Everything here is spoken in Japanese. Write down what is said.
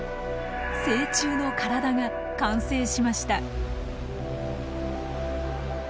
成虫の体が完成しました。